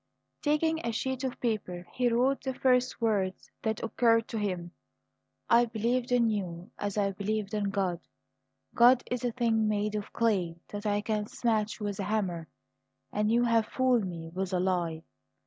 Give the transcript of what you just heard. Taking a sheet of paper, he wrote the first words that occurred to him: "I believed in you as I believed in God. God is a thing made of clay, that I can smash with a hammer; and you have fooled me with a lie."